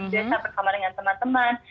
senyum desa bersama dengan teman teman